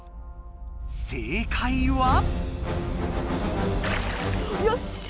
正解は？よっしゃ！